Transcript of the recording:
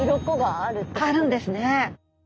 あるんですね。